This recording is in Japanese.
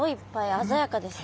鮮やかですね。